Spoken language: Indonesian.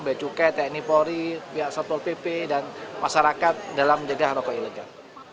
biaya cukai teknik polri biaya satpol pp dan masyarakat dalam menjaga rokok ilegal